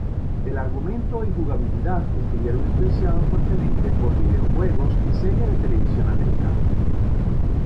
El argumento y jugabilidad estuvieron influenciados fuertemente por videojuegos y series de televisión americanos.